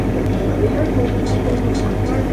Las vistas se convocaban de un día para otro.